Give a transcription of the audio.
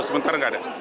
oh sementara tidak ada